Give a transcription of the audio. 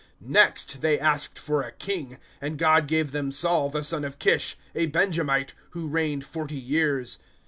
013:021 Next they asked for a king, and God gave them Saul the son of Kish, a Benjamite, who reigned forty years.